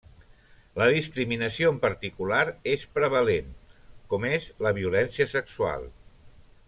La discriminació en particular és prevalent, com és la violència sexual.